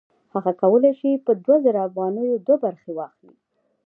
هغه کولی شي په دوه زره افغانیو دوه برخې واخلي